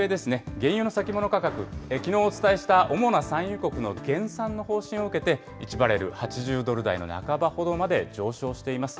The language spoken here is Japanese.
原油の先物価格、きのうお伝えした主な産油国の減産の方針を受けて、１バレル８０ドル台の半ばほどまで上昇しています。